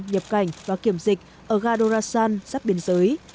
nhập cảnh và kiểm dịch ở gadorasan sắp biên giới